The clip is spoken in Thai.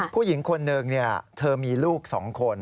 ผู้หญิงคนหนึ่งเนี่ยเธอมีลูกสองคน